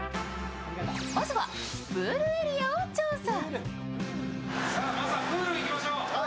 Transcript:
まずはプールエリアを調査。